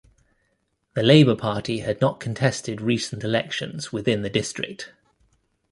The Labour Party had not contested recent elections within the district.